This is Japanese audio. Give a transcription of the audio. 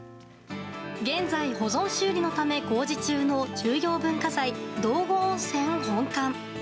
現在、保存修理のため工事中の重要文化財、道後温泉本館。